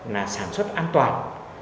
là sản xuất an toàn